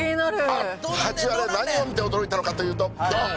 ハチワレ何を見て驚いたのかというとドーン！